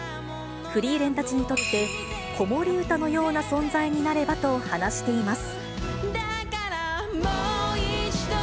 フリーレンたちにとって、子守歌のような存在になればと話しています。